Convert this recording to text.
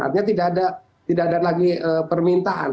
artinya tidak ada lagi permintaan